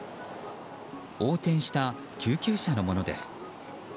横転した救急車のものです。